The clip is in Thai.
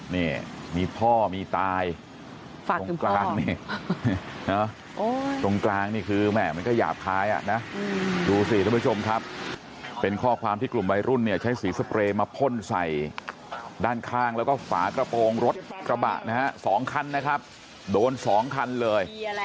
นี่มีพ่อมีตายฝั่งตรงกลางนี่ตรงกลางนี่คือแม่มันก็หยาบคลายอ่ะนะดูสิท่านผู้ชมครับเป็นข้อความที่กลุ่มวัยรุ่นเนี่ยใช้สีสเปรย์มาพ่นใส่ด้านข้างแล้วก็ฝากระโปรงรถกระบะนะฮะสองคันนะครับโดนสองคันเลย